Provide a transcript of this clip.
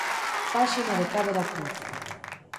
Páxina de Cabo da Cruz